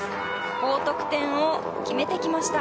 高得点を決めてきました。